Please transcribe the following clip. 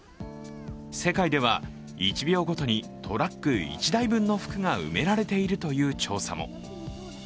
世界では、１秒ごとにトラック１台分の服が埋められているという調査も。